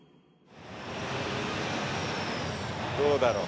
どうだろう。